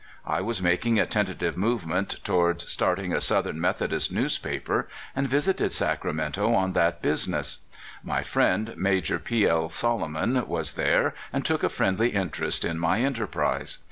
I was making a tentative movement toward starting a Southern Methodist newspaper, and visited Sacramento on that busi ness. My friend Maj. P. L. Solomon was there, and took a friendly interest in my enterprise.